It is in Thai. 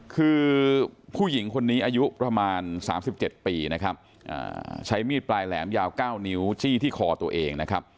คือผู้หญิงคนนี้อายุประมาณ๓๗ปีนะครับใช้มีดปลายแหลมยาว๙นิ้วจี้ที่คอตัวเองนะครับ